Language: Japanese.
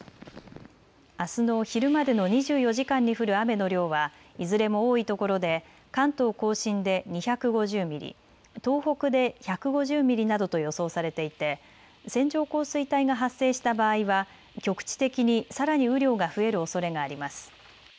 あすの昼までの２４時間に降る雨の量はいずれも多いところで関東甲信で２５０ミリ、東北で１５０ミリなどと予想されていて線状降水帯が発生した場合は局地的にさらに雨量が増えるおそれがあります。